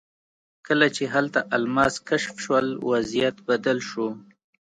کله چې هلته الماس کشف شول وضعیت بدل شو.